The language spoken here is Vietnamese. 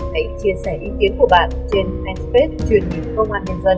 hãy chia sẻ ý kiến của bạn trên nền space truyền hình công an nhân dân